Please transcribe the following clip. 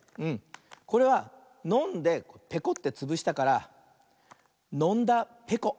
これはのんでぺこってつぶしたから「のんだぺこ」。